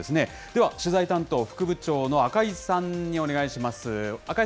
では取材担当、副部長の赤井さんにお願いします。